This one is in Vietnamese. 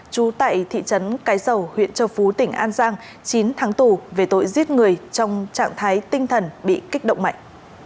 trú tại thị trấn cái dầu huyện châu phú tỉnh an giang chín tháng tù về tội giết người trong trạng thái tinh thần bị kích động mạnh